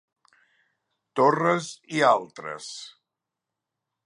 Torres i altres.